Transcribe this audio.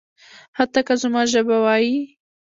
حتی که زما ژبه وايي.